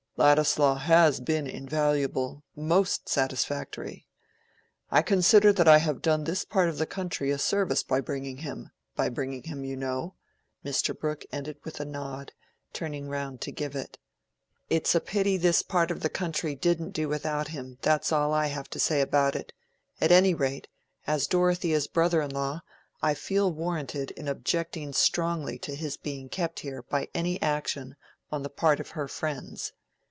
Ladislaw has been invaluable, most satisfactory. I consider that I have done this part of the country a service by bringing him—by bringing him, you know." Mr. Brooke ended with a nod, turning round to give it. "It's a pity this part of the country didn't do without him, that's all I have to say about it. At any rate, as Dorothea's brother in law, I feel warranted in objecting strongly to his being kept here by any action on the part of her friends.